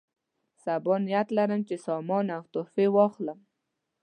سبا نیت لرم چې سامان او تحفې واخلم.